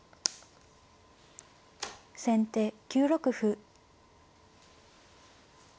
先手９六歩。